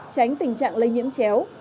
tránh tình trạng lây nhiễm chéo